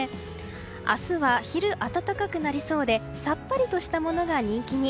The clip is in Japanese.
明日は昼、暖かくなりそうでさっぱりとしたものが人気に。